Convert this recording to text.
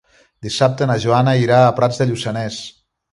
Dissabte na Joana irà a Prats de Lluçanès.